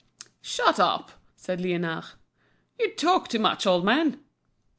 "Shut up," said Liénard; "you talk too much, old man."